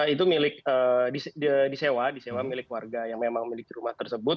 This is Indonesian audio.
itu milik disewa disewa milik warga yang memang memiliki rumah tersebut